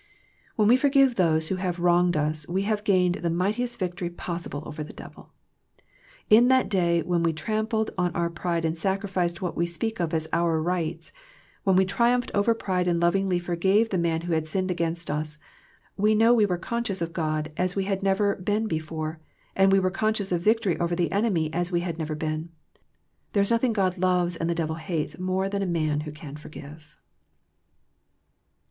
When we forgive those who have wronged us, we have gained the mightiest victory possible over the devil. In that day when we trampled on our pride and sacrificed what we speak of as our rights, when we triumphed over pride and lovingly forgave the man who had sinned against us, we know we were conscious of God as we had never been before, and we were conscious of victory over the enemy as we had never been. There is nothing God loves and the devil hates more than a man who can forgive.